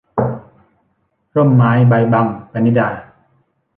ร่มไม้ใบบัง - ปณิดา